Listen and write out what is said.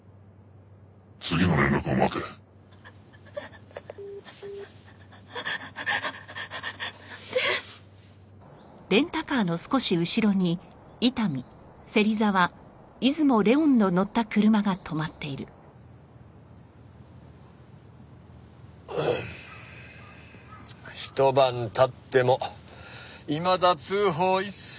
「次の連絡を待て」ああああっなんで？ひと晩経ってもいまだ通報一切なし。